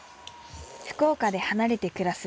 福岡で離れて暮らす